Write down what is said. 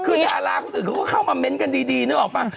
คือดาราคนอื่นเขาก็เข้ามาเม้นต์กันดีนึกออกป่ะ